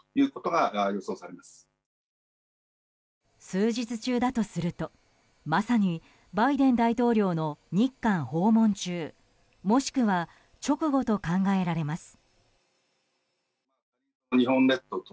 数日中だとすると、まさにバイデン大統領の日韓訪問中もしくは直後と考えられます。